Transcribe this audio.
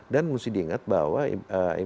dan mesti diingat bahwa ibu miriam